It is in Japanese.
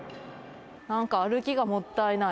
なんか歩きがもったいない。